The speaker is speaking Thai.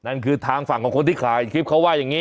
นั่นคือทางฝั่งของคนที่ถ่ายคลิปเขาว่าอย่างนี้